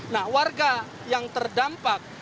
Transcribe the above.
nah warga yang terdampak